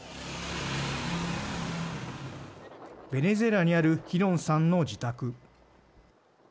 ベネズエラにあるヒロンさんの自宅。